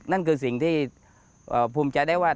นั่นคือสิ่งที่ภูมิใจได้ว่า